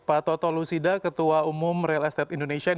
pak toto lusida ketua umum real estate indonesia